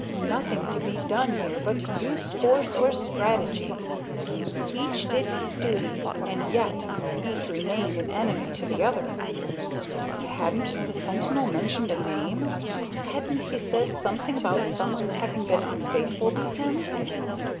Nothing to be done here but to use force or strategy. Each did his duty, and yet each remained an enemy to the other. But hadn't the sentinel mentioned a name? Hadn't he said something about someone's having been unfaithful to him?